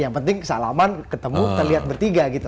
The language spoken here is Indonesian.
yang penting salaman ketemu terlihat bertiga gitu